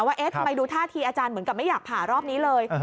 ว่าเอ๊ะทำไมดูท่าทีอาจารย์เหมือนกับไม่อยากผ่ารอบนี้เลย